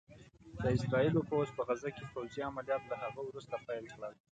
د اسرائيلو پوځ په غزه کې پوځي عمليات له هغه وروسته پيل کړل